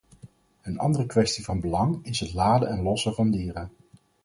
Een andere kwestie van belang is het laden en lossen van dieren.